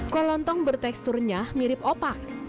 kolontong berteksturnya mirip opak